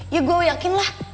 ya gue yakin lah